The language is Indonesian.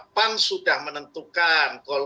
pan sudah menentukan